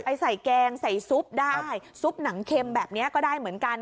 ใส่แกงใส่ซุปได้ซุปหนังเค็มแบบนี้ก็ได้เหมือนกัน